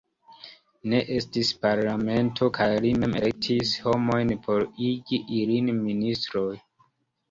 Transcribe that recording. Ne estis parlamento kaj li mem elektis homojn por igi ilin ministroj.